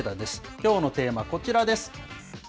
きょうのテーマ、こちらです。